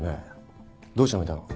どうして辞めたの？